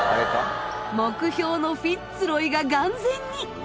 目標のフィッツ・ロイが眼前に！